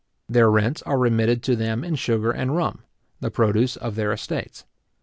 Their rents are remitted to them in sugar and rum, the produce of their estates.